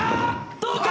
どうか？